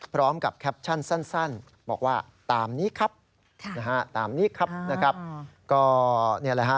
พร้อมกับแคปชั่นสั้นบอกว่าตามนี้ครับตามนี้ครับนะครับ